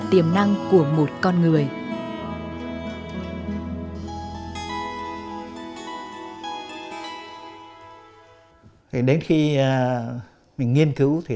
tiềm năng của một con người